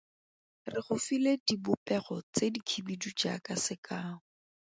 Re go file dibopego tse dikhibidu jaaka sekao.